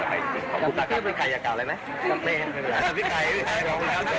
ขอบคุณทุกคนใครอยากกล่าวอะไรไหม